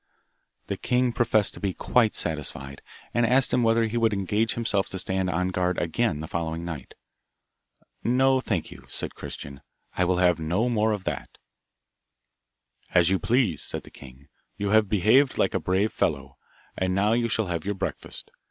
The king professed to be quite satisfied, and asked him whether he would engage himself to stand on guard again the following night. 'No, thank you,' said Christian, 'I will have no more of that!' 'As you please,' said the king, 'you have behaved like a brave fellow, and now you shall have your breakfast.